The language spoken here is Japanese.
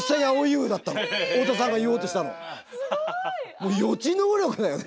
もう予知能力だよね。